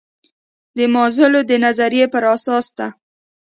د مازلو د نظریې پر اساس ده.